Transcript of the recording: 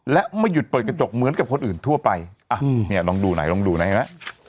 และไม่หยุดเปิดกระจกเหมือนกับคนอื่นทั่วไปอ่ะเนี่ยลองดูไหนลองดูนะเห็นไหม